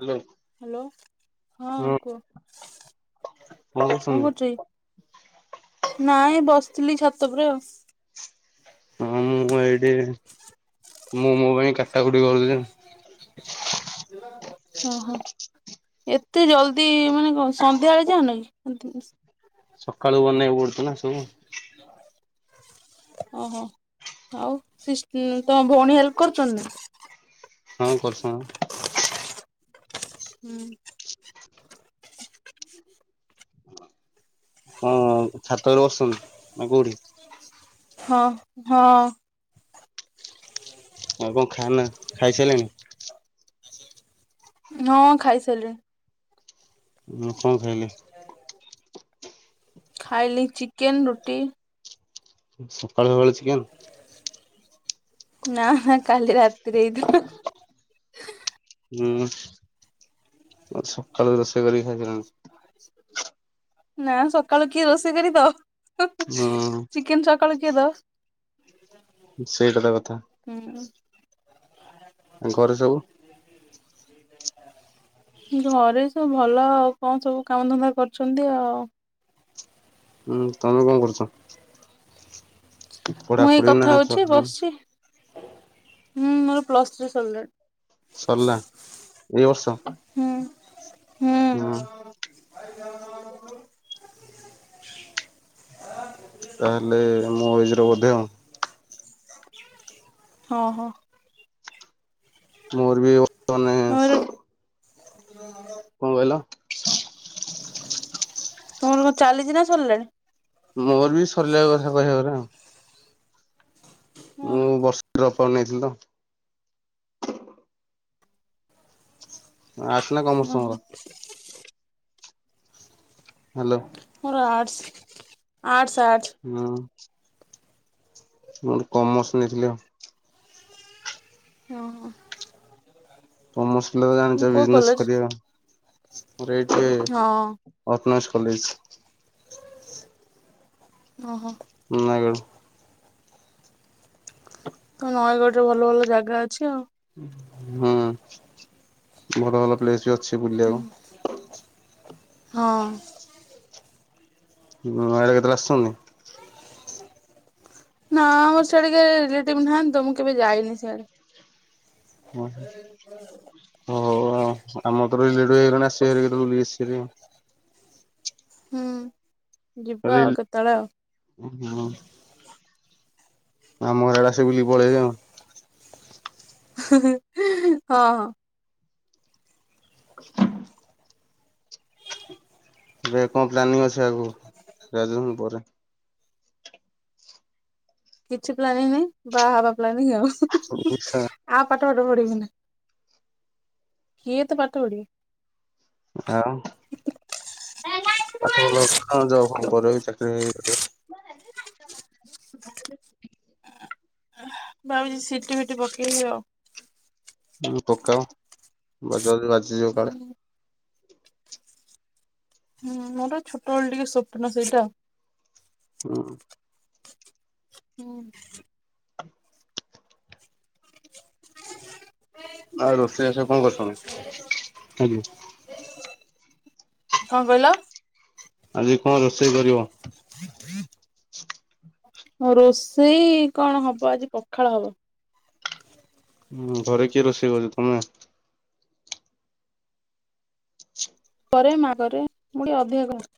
Hello. Hello ହଁ କୁହ। ବଲ କଣ କରୁଛ ସନ୍ଦୀପ। କି ନାଇଁ ବସିଥିଲି ଛାତ ପରେ ଆଉ। ହଁ ମୁଁ ଏଇଠି ମୁଁ ମୋ ପାଇଁ କାଟାକୁଟି କରୁଥିଚି। ଓହୋ ଏତେ ଜଲଦି ମାନେ କ ସନ୍ଧ୍ୟାବେଳେ ଯାଉନ କି। ସକାଳୁ ବନେଇବାକୁ ପଡୁଛି ନାଁ ସବୁ। ଓହୋ ଆଉ ତମ ଭଉଣୀ ହେଲ୍ପ କରୁଛନ୍ତି ନାଁ? ହଁ କରୁଛନ୍ତି। ହୁଁ। ହଁ ଛାତରେ ବସିଛନ୍ତି ନା କୋଉଠି? ହଁ ହଁ। ଆଉ କଣ ଖାନା ଖାଇସାରିଲେଣି? ହଁ ଖାଇସାରିଲିଣି। କଣ ଖାଇଲେ? ଖାଇଲି ଚିକେନ ରୁଟି। ସଖାଳୁ ସଖାଳୁ ଚେକେନ? ନା ନା କାଲି ରାତିରେ ହେଇଥିଲା। ହୁଁ ସକାଳୁ ରୋଷେଇ କରିକି ଖାଇସାରିଲାଣି। ନା ସକାଳୁ କିଏ ରୋଷେଇ କରିକି ଦେବ। ହଁ। କିଏ ଦ। ସେଇଟା ତ କଥା ହୁଁ। ଆଉ ଘରେ ସବୁ। ଘରେ ସବୁ ଭଲ ଆଉ କଣ ସବୁ କାମ ଧନ୍ଦା କରୁଛନ୍ତି ଆଉ। ହୁଁ ତମେ କଣ କରୁଛ? ମୁଁ ଏଇ ପଢାପଢି ନା କଥା ହଉଛି ବସିଛି ହୁଁ ମୋର ପ୍ଲସ ଥ୍ରି ସରିଲାଣି। ସରିଲା ଏଇ ବର୍ଷ। ହୁଁ ହୁଁ। ତାହେଲେ ମୁଁ ଏଜ ର ବଧେ ଆଉ। ହଁ ହୋ। ମୋର ବିି ବର୍ତ୍ତମାନେ ତମର କଣ କହିଲ? ତମର କଣ ଚାଲିଛି ନା ସରିଲାଣି? ମୋର ବି ସରିଲା କଥା କହିବାକୁ ରା। ମୁଁ ଓହୋ ବର୍ଷ ଅଫର୍ ନେଇଥିଲି ତ। ଆରର୍ସ ନା କମର୍ଷ ଓହୋ ତୁମର? ହ୍ୟାଲୋ ମୋର ଆର୍ଟସ୍ ଆର୍ଟସ୍। ହଁ। ମୁଁ ଗୋଟେ କମର୍ସ ନେଇଥିଲି ଆଉ। ହଁ ହୋ। କମର୍ସ। ଜାଣିଛ ବିଜନେସ୍ କରିବା ମୋର ଏଇଠି ହଁ ଅଟୋନମସ। କଲେଜ। ଓହୋ। ନୟାଗଡ। ତ ନୟାଗଡ ରେ ଭଲ ଭଲ ଜାଗା ଅଛି ଆଉ। ହଁ ଭଲ ଭଲ ପ୍ଲେସ ବି ଅଛି। ବୁଲିବାକୁ ହୁଁ ହଁ। ନୟାଗଡ଼ କେତେବେଳେ ଆସିଛନ୍ତି। ନା ଆମର ସିଆଡେ କିଏ ରିଲେଟିଭ ନାହାନ୍ତି ତ। ମୁଁ କେବେ ଯାଇନି ସିଆଡେ। ଓହୋ। ହଉ ଆଉ ଆମର ତ ରିଲେଟିଭ ହେଇଗଲଣି। ଆସିବେ ହାରି କେବେ ବୁଲିକି ଆସିବ ହାରି ଆଉ। ହୁଁ ଯିବା ଆଉ କେତେବେଳେ ଆଉ। ଓ ହଁ। ଆମ ଘର ଆଡ଼େ ଆସିକି ବୁଲିକି ପଳେଇବେ ଆଉ। ହଁ ହଁ। ଏବେ କଣ ପ୍ଲାନିଂ ଅଛି ଆଗକୁ ଗ୍ରାଜୁଏସନ ପରେ। କିଛି ପ୍ଲାନିଙ୍ଗ ନାଇଁ ବାହା ହବା ପ୍ଲାନିଙ୍ଗ ଆଉ। ଆ ଓଡ଼ିଶା ପା ପାଠ ସାଠ ପଢିକି ନାଁ। କିଏ ଏତେ ପାଠ ପଢିବ। ଆଉ। ପାଠ ଭଲ ଜବ ପରେ ବି ଚାକିରୀ କରିବ। ଭାବୁଚି ସିଟି ଫିଟି ପକେଇବି ଆଉ। ପକାଅ ବଜାଅ ବାଜିଯିବ କାଳେ। ହୁଁ ହୁଁ ମୋର ଛୋଟବେଳେ ଟିକେ ସ୍ୱପ୍ନ ସେଇଟା। ହୁଁ ହୁଁ। ଆଉ ରୋଷେଇ ବାସ କଣ କରିଛ ତମେ ହଁ କି? କଣ କହିଲ । ଆଜି କଣ ରୋଷେଇ କରିବ। ରୋଷେଇ କଣ ହବ ଆଜି ପଖାଳ ହବ। ହଁ ଘରେ କିଏ ରୋଷେଇ କରଛ ତମେ? ପରେ ମା କରେ ମୁଁ ଟିକେ ଅଧିକ କରେ।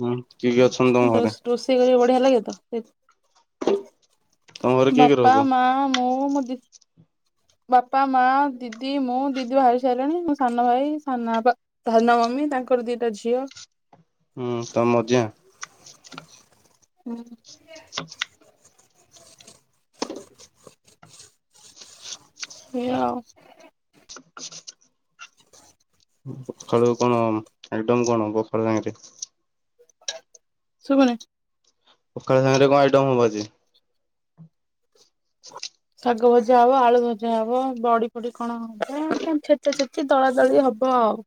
ହୁଁ। କିଏ କିଏ ଅଛନ୍ତି ତମ ଘରେ ରୋଷ ରୋଷେଇ କରିବାକୁ ବଢିଆ ଲାଗେତ। ତମ ଘରେ କିଏ କିଏ ବାପା ରହୁଛ? ମା ମୁଁ ମୋ ଦି ବାପା ମା ଦିଦି ମୁଁ ଦିଦି ବାହାହେଇ ସାରିଲିଣି ମୋ ସାନ ଭାଇ ମି ତାଙ୍କର ଦିଟା ଝିଅ। ହୁଁ ତମ ଅଜା। ହୁଁ। ହ ଇଆ ଆଉ। ପଖାଳୁ କଣ ଏକଦମ କଣ ପଖାଳ ସାଙ୍ଗରେ ଶୁବୁନି। ପଖାଳ ସାଙ୍ଗରେ କଣ ଆଇଟମ ହବ ଆଜି। ଶାଗ ଭଜା ହବ ଆଳୁ ଭଜା ହବ ବଡି ପଡି କଣ ହବ। କଣ ଛେତ ଛେତି ଦଳା ଦଳି ହ ବ ଆଉ।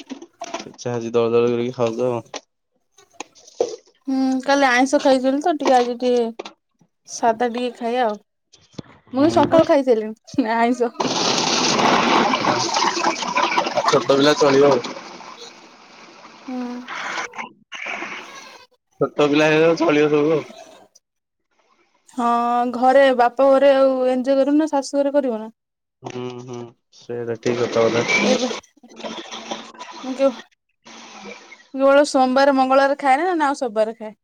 ହ ଇଛା ହଉଚି ଦଳା ଦୁଳି କରିକି ଖାଉଚ ଆଉ। ହୁଁ କାଲି ଆଇଁଷ ଖାଇଚନ୍ତି ତ। ଟିକେ ଆଜି ଟିକେ ସାଧା ଟିକେ ଖାଇଆ ଆଉ। ମୁଁ ସକାଳୁ ଖାଇସାରିଲିଣି ଆଇଁଷ। ଛୋଟ ପିଲା ଚଳିବ ଆଉ। ହୁଁ। ଛୋଟ ପିଲା ହେଇଗଲେ ଚଳିବ ଶବୁ। ହଁ ଘରେ ବାପ ଘରେ ଆଉ ଏଞଜୟ କରିବୁ ନା ଶାଶୁ ଘରେ କରିବୁ ନା। ହୁଁ ହୁଁ ସେଇଟା ଠିକ କଥା ଏବେ ଗୋଟେ। ମୁଁ କେବଳ ମୋର ସୋମବାର ମଙ୍ଗଳବାର ଖାଏନି ନା ଆଉ ସବୁ ବାରେ ଖାଏ।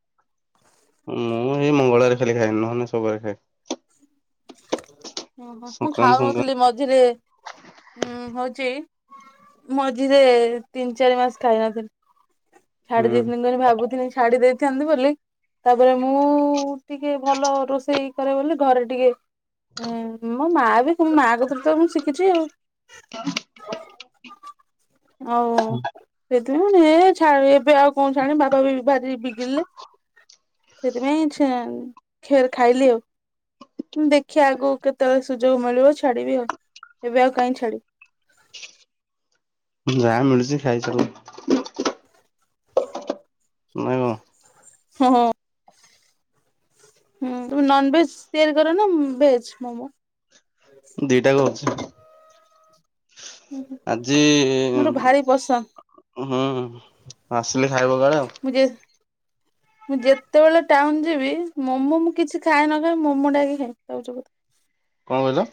ମୁଁ ଏଇ ମଙ୍ଗଳବାରେ ଖାଲି ଖାଏନି, ନହେଲେ ନାହିଁ ସବୁବାରେ ଖାଏ। ଓହୋ। ମୁଁ ସଂକ୍ରାନ୍ତି ଖାଉନଥିଲି ମଝିରେ ହୁଁ ହଉଚି ମଝିରେ ତିନ ଚାରି ମାସ ଖାଇନଥିଲି। ଛାଡି ସଂକ୍ରାନ୍ତି ଦେଇଥାନି ବୋଲି ଭାବୁଥିଲି ଛାଡି ଦେଇଥାନ୍ତି ବୋଲି। ତାପରେ, ମୁଁ ଟିକେ ଭଲ ରୋଷେଇ କରେ ବୋଲି ଘରେ ଟିକେ ହୁଁ ମୋ ମା ବି ମା କତରୁ ତ ମୁଁ ଶିଖିଛି ଆଉ। ଆଉ ସେଥିପାଇଁ ଏ ଏବେ ଆଉ କଣ ଛାଡିବି ବାପା ବି ଭାରି ବିଗିଡିଲେ। ସେଥିପାଇଁ ଛେଁନ ଖେର ଖାଇଲି ଆଉ। ଦେଖିବା ଆଗକୁ କେତେବେଳେ ସୁଯୋଗ ମିଳିବ ଛାଡିବି ଆଉ, ଏବେ ଆଉ କାଇଁ ଛାଡିବି। ଯାହା ମିଳୁଛି ଖାଇ ଚାଲ। ନା କଣ ହଁ ହଁ। ହୁଁ ତୁ ନନଭେଜ ତିଆରି କରେ ନା ଭେଜ ମୋମୋ। ଦିଟା କ ଅଛି। ଆଜି ମୋର ଉଁ ଭାରି ପସନ୍ଦ ଆସିଲେ ଖାଇବ କାଳେ ଆଉ। ମୁଁ ଯେ ହ ମୁଁ ଯେତେବେଳେ ଟାଉନ ଯିବି ମୋମୋ ମୁଁ କିଛି ଖାଏ ନ ଖାଏ ମୋମୋଟା ଆଗେ ଖାଇବି, ତାପରେ ଯୋଉ କଥା। କଁ କହିଲ?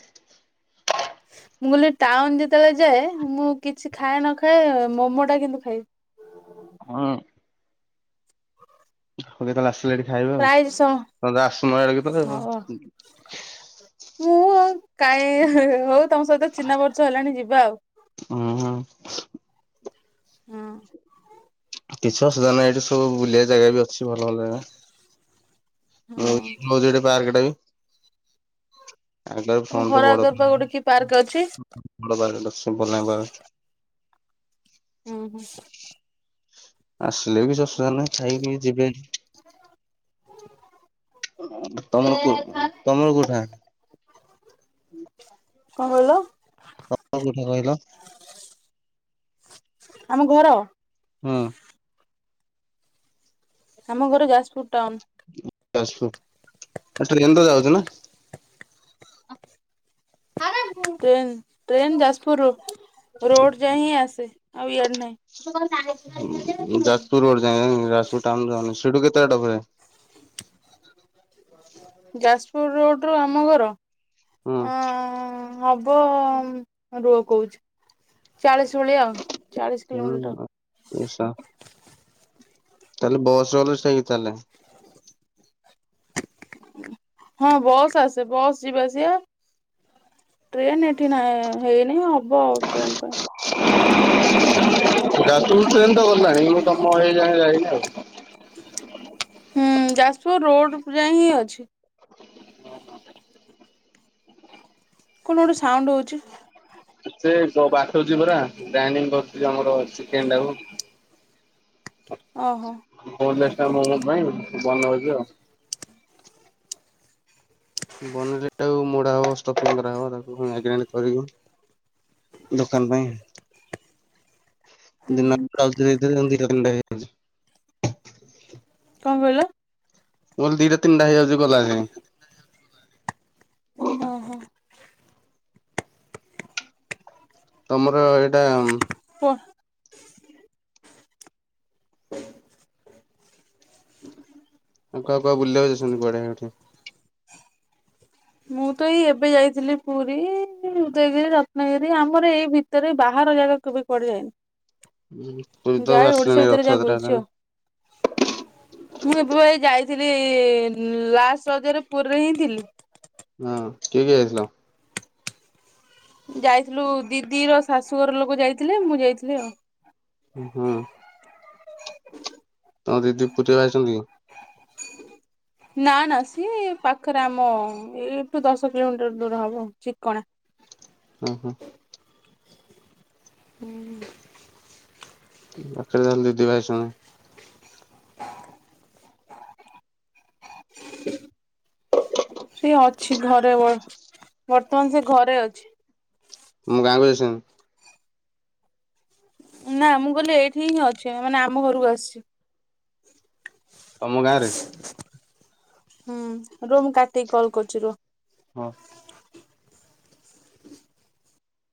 ହଁ [inaudible] ମୁଁ କହିଲି ଟାଉନ ଯେତେବେଳେ ଯାଏ ମୁଁ କିଛି ଖାଏ ନ ଖାଏ, ମୋମୋଟା କିନ୍ତୁ ଖାଏ। ହଁ। ହଉ କେତେବେଳେ ଆସିଲେ ଏଠି ଖାଇବେ ଆଉ, ପ୍ରାୟ ସ ତମେ ତ ଆସୁନ ଆଡେ କେତେବେଳେ ହଁ ଆଉ। ମୁଁ ଆଉ କାଇଁ ହଉ ତମ ସହିତ ଚିହ୍ନା ପର୍ଚ୍ଚ ହେଲାଣି ଯିବା ଆଉ। ଉଁ ହୁଁ। ହଁ। କିଛି ଅସୁବିଧା ନାହିଁ ଏଇଠି ସବୁ ବୁଲିଆ ଜାଗା ବି ଅଛି ଭଲ ଭଲ ଜାଗା। ମୁଁ ହଁ [unintelligible] ଏଇଟା ପାର୍କଟା ବି। [unintelligible] ବଡ ତମ ଘର ପାର୍କ ଆଗରେ ପା ଗୋଟେ କି ପାର୍କ ଅଛି? ଟା [unintelligible] ଉଁ ହୁଁ। ଆସିଲେ ବି କିଛି ଅସୁବିଧା ନାହିଁ ଖାଇକି ଯିବେ ଏଠି। ତମର ତମ [unintelligible] କୋଉଠା? କଁ କହିଲ? [unintelligible] କୋଉଠା କହିଲ? ଆମ ଘର? ହଁ। ଆମ ଘର ଯାଜପୁର ଟାଉନ। ଯାଜପୁର ତୁ ଟ୍ରେନ ରେ ଯାଉଛୁ ନା। ଟ୍ରେନ ଟ୍ରେନ ଯାଜପୁର ରୋ ରୋଡ ଯାଏ ହିଁ ଆସେ, ଆଉ ଇଆଡ ନାହିଁ। ଯାଜପୁର ରୋଡ ଯାଇ ଯାଏ ଯାଜପୁର ଟାଉନ ଯାଏନି, ସେଠୁ କେତେ ବାଟ ଫେରେ? ଯାଜପୁର ରୋଡରୁ ଆମ ଘର ହଁ ଅଁ ହବ ବ ଉମ୍ ରୁହ କହୁଚି ଚାଳିଶି ଭଳିଆ ଆଉ। ଚାଳିଶ କିଲୋମିଟର ହଁ ଓସା ତାହେଲେ ବସ୍ ଗଲେ ସେଇ ଚାଲେ। ହଁ ବସ୍ ଆସେ ବସ୍ ଯିବା ଆସିଆ ଟ୍ରେନ ଏଠି ନାହିଁ, ହେଇନି ହବ ଆଉ ଟ୍ରେନ ପାଇଁ। ଯାଜପୁରକୁ ଟ୍ରେନ୍ ତ ଗଲାଣି, କେବଳ ତମ ଏଇ ଯାଏଁ ଯାଇନି ଆଉ। ହୁଁ ଯାଜପୁର ରୋଡ ଯାଇ ହିଁ ଅଛି। କଣ ଗୋଟେ ସାଉଣ୍ଡ ହଉଛି। ସେ ବ-ବାଟୁଚି ପରା ଗ୍ରାଇଣ୍ଡିଙ୍ଗ କରୁଚି ଆମର ଚିକେନ ଟାକୁ। ଓହୋ ମୁଁ ହେଲେ। ସେଟା ମୋମୋ ପାଇଁ ବନଉଛି ଆଉ। ବନେଇଲେ ଏଟାକୁ ମୋଡା ହବ ଷ୍ଟପିଙ୍ଗ କରାହବ ତାକୁ ପୁଣି ମାଇଗ୍ରେଣ୍ଟ କରିବୁ। ଦୋକାନ ପାଇଁ। ହୁଁ ଦିନ [unintelligible] ଦି ଟା ତିନି ଟା ହେଇଚି। କଣ କହିଲ? ମୁଁ କହିଲି ଦିଟା ତିନିଟା ହେଇଯାଉଛି ଗଲା ଯାଏଁ। ଓହୋ ତମର ଏଇଟା। ହ ଆଉ କୁଆ କୁଆ ବୁଲିବାକୁ ଯାଇଛନ୍ତି କୁଆଡେ ଏଇଠି? ମୁଁ ତ ଏଇ ଏବେ ଯାଇଥିଲି ପୁରୀ ଉଦୟଗିରି ରତ୍ନଗିରି ଆମର ଏଇ ଭିତରେ ବାହାର ଜାଗା କେବେ କୁଆଡେ ହୁଁ ପୁରୀ ଯାଇନି ତ ଏବେ ଯାହା ଏଇ ଆସିଲାଣି ଓଡିଶା ଭିତରେ ଯାହା ରଥଯାତ୍ରା ବୁଲିଛି ହେଲାଣି ଆଉ। ମୁଁ ଏବେ ପା ଏଇ ଯାଇଥିଲି ଲାଷ୍ଟ ରଜ ରେ ପୁରୀରେ ହିଁ ଥିଲି। ହଁ କିଏ କିଏ ଯାଇଥିଲ? ଯାଇଥିଲୁ ଦିଦିର ଶାଶୁଘର ଲୋକ ଯାଇଥିଲେ ମୁଁ ଯାଇଥିଲି ଆଉ। ଓ ହଁ। ତମ ଦିଦି ପୁରୀ ରେ ବାହା ହେଇଛନ୍ତି କି? ନା ନା ସିଏ ପାଖରେ ଆମ ଏଇଠୁ ଦଶ କିଲୋମିଟର ଦୂର ହବ ଚିକଣା। ଓହୋ। ହୁଁ। ପାଖରେ ତାହେଲେ ଦିଦି ବାହା ହେଇଛନ୍ତି। [inaudible] ସେ ଅଛି ଘରେ ବର ବର୍ତ୍ତମାନ ସେ ଘରେ ଅଛି। ତମ ଗାଁ କୁ ଯାଇଛନ୍ତି। ନା ମୁଁ କହିଲି ଏଇଠି ହିଁ ଅଛି ମାନେ ଆମ ଘରକୁ ଆସିଛି। ତମ ଗାଁ ରେ। ହୁଁ ରୁହ ମୁଁ କାଟିକି କଲ କରୁଛି ରୁହ। ହଉ।